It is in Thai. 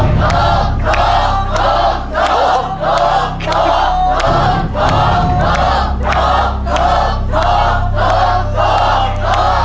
ถูกถูกถูกถูก